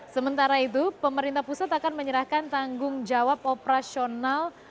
sementara itu pemerintah pusat akan menyerahkan tanggung jawab operasional